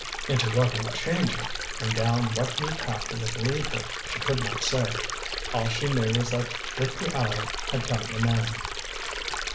Into what he would change it, and down what new path he would lead her, she could not say. All she knew was that with the hour had come the man.